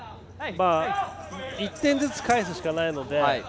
１点ずつ返すしかないので。